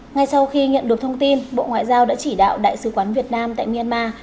ngay sau khi nhận được thông tin bộ ngoại giao đã chỉ đạo đại sứ quán việt nam tại myanmar